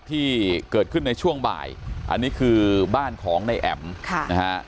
ที่เกิดขึ้นในช่วงบ่ายอันนี้คือบ้านของในแอมนะครับ